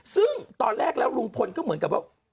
ซึ่งตอนแรกแล้วลุงพลก็เหมือนกับว่า